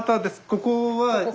ここは今。